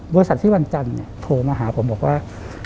บริษัทที่บรรจันทร์เนี่ยโทรมาหาผมบอกว่า